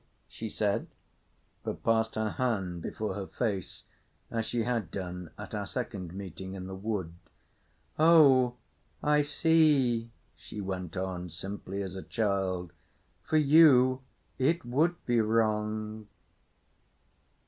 she said, but passed her hand before her face as she had done at our second meeting in the wood. "Oh, I see," she went on simply as a child. "For you it would be wrong."